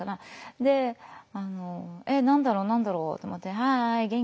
で何だろう何だろうと思って「はい元気？」みたいな。